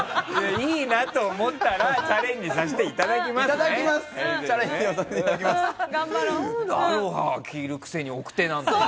いいなと思ったらチャレンジさせていただきますね。